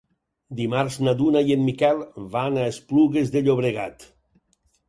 Dimarts na Duna i en Miquel van a Esplugues de Llobregat.